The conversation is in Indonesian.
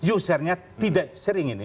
usernya tidak sering ini